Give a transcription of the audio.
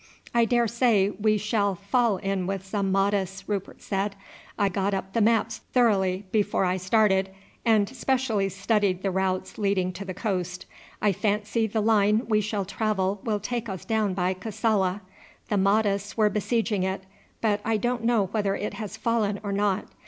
"I daresay we shall fall in with some Mahdists," Rupert said. "I got up the maps thoroughly before I started, and specially studied the routes leading to the coast. I fancy the line we shall travel will take us down by Kassala. The Mahdists were besieging it, but I don't know whether it has fallen or not.